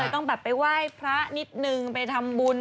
ต้องไปไหว่พระนิดหนึ่งไปทำบุญ